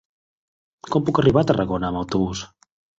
Com puc arribar a Tarragona amb autobús?